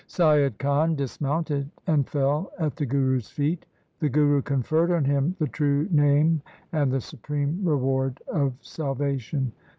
Saiyad Khan dismounted and fell at the Guru's feet. The Guru conferred on him the true Name and the supreme reward of salvation.